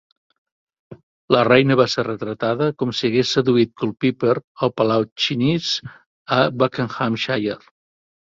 La Reina va ser retratada com si hagués seduït Culpeper al Palau Chenies a Buckinghamshire.